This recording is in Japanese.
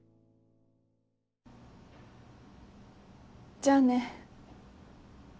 じゃあね仁。